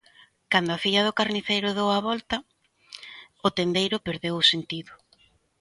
Cando a filla do carniceiro deu a volta, o tendeiro perdeu o sentido.